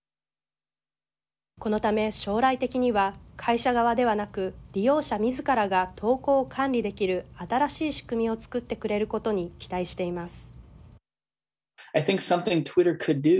このため将来的には会社側ではなく利用者みずからが投稿を管理できる新しい仕組みをつくってくれることに期待しています。